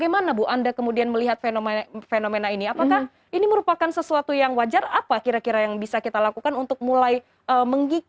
milik sekolah public